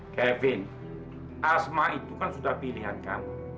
kevin asma itu kan sudah pilihan kamu